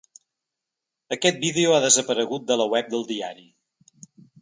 Aquest vídeo ha desaparegut de la web del diari.